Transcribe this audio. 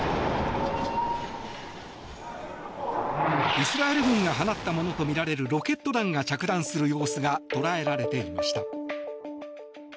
イスラエル軍が放ったものとみられるロケット弾が着弾する様子が捉えられていました。